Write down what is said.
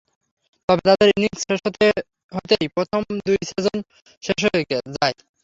তবে তাদের ইনিংস শেষ হতে হতেই প্রথম দুই সেশন শেষ হয়ে যায়।